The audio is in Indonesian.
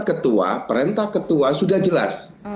ketua perintah ketua sudah jelas